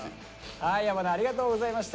はい矢花ありがとうございました。